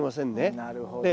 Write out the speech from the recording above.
なるほど。